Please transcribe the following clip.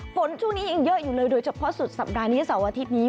ฝนช่วงนี้ยังเยอะอยู่เลยโดยเฉพาะสุดสัปดาห์นี้เสาร์อาทิตย์นี้